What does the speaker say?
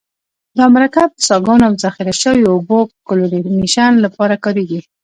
دا مرکب د څاګانو او ذخیره شویو اوبو کلورینیشن لپاره کاریږي.